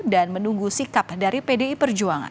dan menunggu sikap dari pdi perjuangan